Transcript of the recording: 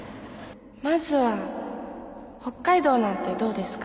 まずは北海道なんてどうですか？